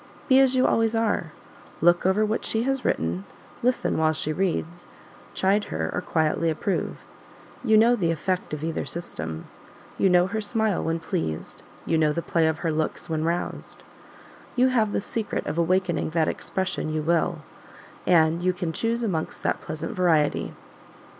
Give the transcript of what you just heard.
Be as you always are; look over what she has written; listen while she reads; chide her, or quietly approve; you know the effect of either system; you know her smile when pleased, you know the play of her looks when roused; you have the secret of awakening what expression you will, and you can choose amongst that pleasant variety.